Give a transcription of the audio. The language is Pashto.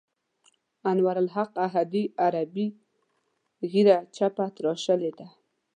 انوارالحق احدي عربي ږیره چپه تراشلې ده.